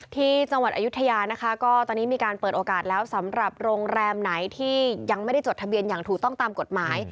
ที่จังหวัดอายุทยานะคะก็ตอนนี้มีการเปิดโอกาสแล้วสำหรับโรงแรมไหนที่ยังไม่ได้จดทะเบียนอย่างถูกต้องตามกฎหมาย